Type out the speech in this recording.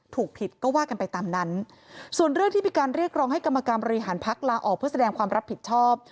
ผิดก็ว่ากันไปตามนั้นส่วนเรื่องที่มีการเรียกร้องให้กรรมการบริหารพักลาออกเพื่อแสดงความรับผิดชอบ